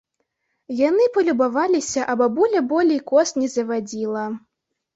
Яны палюбаваліся, а бабуля болей коз не завадзіла.